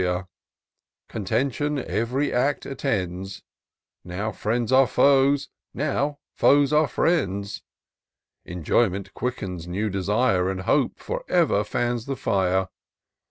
246 TOUR OF DOCTOR SYNTAX Contention ey'ry act attends ; Now friends are foes — ^now foes are friends : Enjoyment quickens new desire. And Hope for ever fans the fire.